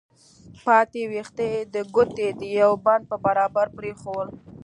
پاتې ويښته يې د ګوتې د يوه بند په برابر پرېښوول.